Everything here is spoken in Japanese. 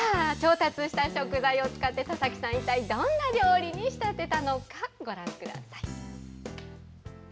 さあ、調達した食材を使って田崎さん、一体どんな料理に仕立てたのかご覧ください。